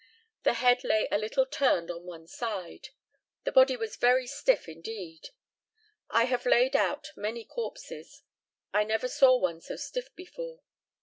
The head lay a little turned on one side. The body was very stiff indeed. I have laid out many corpses. I never saw one so stiff before.